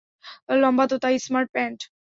লম্বা তো তাই, স্মার্ট প্যান্ট।